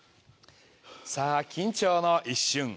さあ緊張の一瞬。